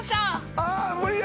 ああっ無理や！